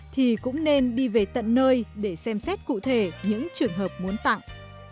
thì cũng nên đi về tận nơi để xem xét cụ thể những trường hợp muốn tặng